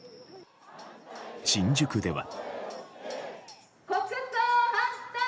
新宿では。